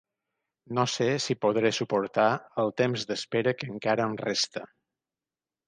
No sé si podré suportar el temps d'espera que encara em resta.